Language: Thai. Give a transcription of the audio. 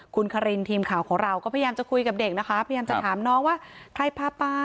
คุณคารินทีมข่าวของเราก็พยายามจะคุยกับเด็กนะคะพยายามจะถามน้องว่าใครพาไป